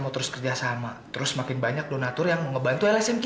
terima kasih banyak banyak